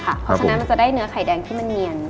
เพราะฉะนั้นมันจะได้เนื้อไข่แดงที่มันเนียน